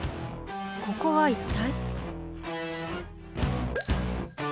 ここは一体？